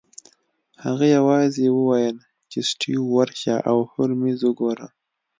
هغه یوازې وویل چې سټیو ورشه او هولمز وګوره